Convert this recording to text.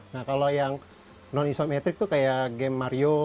nah kalau yang non isometric itu kayak game mario